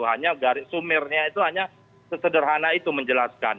hanya dari sumirnya itu hanya sesederhana itu menjelaskan